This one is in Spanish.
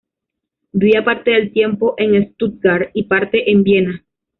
Vivía parte del tiempo en Stuttgart y parte en Viena.